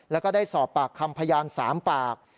แล้วก็ได้สอบปากคำพยาน๓ปาก